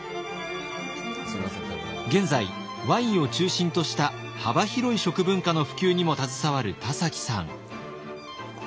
現在ワインを中心とした幅広い食文化の普及にも携わる田崎さん。